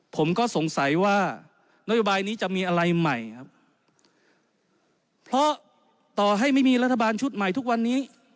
ผมก็สงสัยว่านโยบายนี้จะมีอะไรใหม่ครับเพราะต่อให้ไม่มีรัฐบาลชุดใหม่ทุกวันนี้